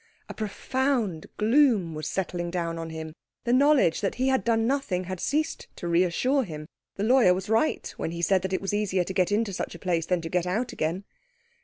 A profound gloom was settling down on him. The knowledge that he had done nothing had ceased to reassure him. The lawyer was right when he said that it was easier to get into such a place than to get out again.